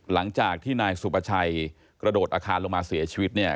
หลังจากที่นายสุประชัยกระโดดอาคารลงมาเสียชีวิตเนี่ย